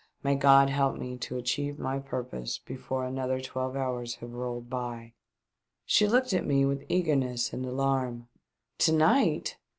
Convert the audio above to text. May God help me to achieve my purpose before another twelve hours have rolled by." She looked at me with eagerness and alarm. "To night